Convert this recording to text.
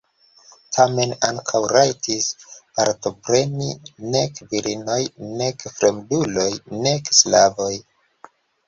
Tamen ankoraŭ rajtis partopreni nek virinoj nek fremduloj nek sklavoj.